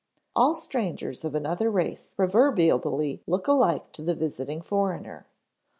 All strangers of another race proverbially look alike to the visiting foreigner.